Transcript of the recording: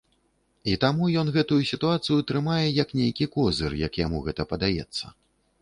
І таму ён гэтую сітуацыю трымае як нейкі козыр, як яму гэта падаецца.